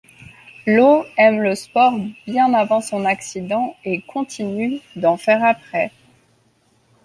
Low aime le sport bien avant son accident et continue d'en faire après.